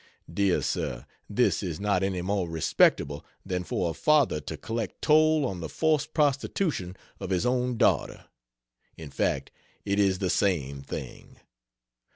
Dear sir, this is not any more respectable than for a father to collect toll on the forced prostitution of his own daughter; in fact it is the same thing.